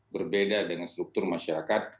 berbeda dengan struktur masyarakat